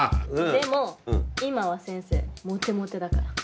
でも今は先生モテモテだから。